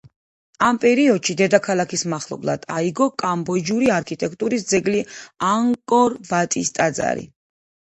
ამ პერიოდში, დედაქალაქის მახლობლად აიგო კამბოჯური არქიტექტურის ძეგლი ანგკორ-ვატის ტაძარი.